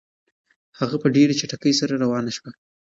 هغه په ډېرې چټکۍ سره روانه شوه.